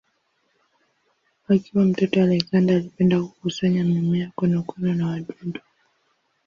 Akiwa mtoto Alexander alipenda kukusanya mimea, konokono na wadudu.